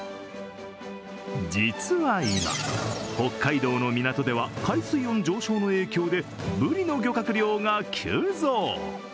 実は今、北海道の港では海水温上昇の影響で、ぶりの漁獲量が急増。